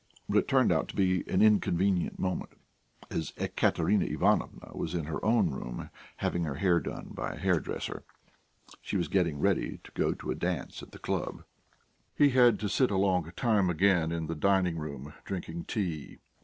But it turned out to be an inconvenient moment, as Ekaterina Ivanovna was in her own room having her hair done by a hair dresser. She was getting ready to go to a dance at the club. He had to sit a long time again in the dining room drinking tea.